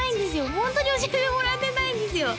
ホントに教えてもらってないんですよ！